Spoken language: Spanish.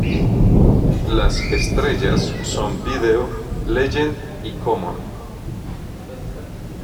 Las estrellas son vídeo Legend y Common.